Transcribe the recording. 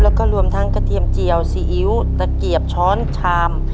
แล้วก็รวมทั้งกระเทียมเจียวซีอิ๊วตะเกียบช้อนชาม